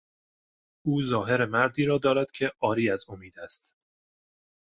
او ظاهر مردی را دارد که عاری از امید است.